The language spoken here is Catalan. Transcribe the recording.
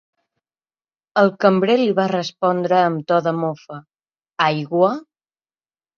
El cambrer li va respondre amb to de mofa: Aigua?